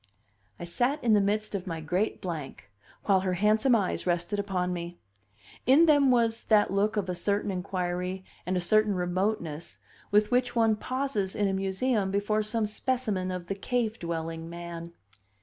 I sat in the midst of my great blank, while her handsome eyes rested upon me. In them was that look of a certain inquiry and a certain remoteness with which one pauses, in a museum, before some specimen of the cave dwelling man.